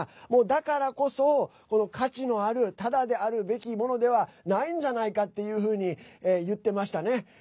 だからこそ価値のあるタダであるべきものではないんじゃないかっていうふうに言ってましたね。